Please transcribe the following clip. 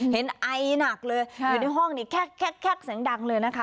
เห็นไอหนักเลยอยู่ในห้องนี้แคล็กแสงดังเลยนะคะ